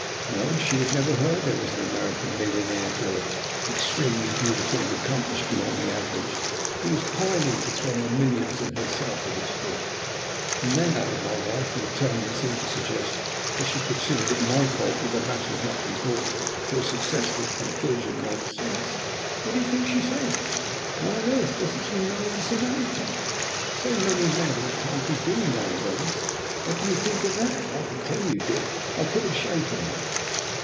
No, she had never heard that there was an American millionaire girl, extremely beautiful, and accomplished beyond the average, who was pining to throw her millions and herself at his feet! "And then," added my wife, in a tone that seemed to suggest that she considered it my fault that the matter had not been brought to a successful conclusion long since, "what do you think she said? 'Why on earth doesn't he marry this American? So many men of title do now a days.' What do you think of that? I can tell you, Dick, I could have shaken her!"